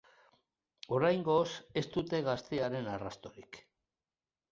Oraingoz, ez dute gaztearen arrastorik.